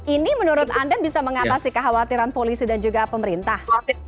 ini menurut anda bisa mengatasi kekhawatiran polisi dan juga pemerintah